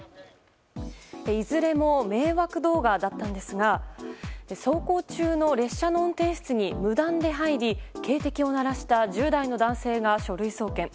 いずれも迷惑動画だったんですが走行中の列車の運転室に無断で入り、警笛を鳴らした１０代の男性が書類送検。